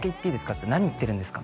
っつったら「何言ってるんですか！」